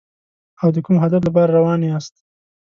او د کوم هدف لپاره روان یاست.